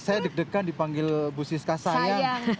saya deg degan dipanggil bu siska saya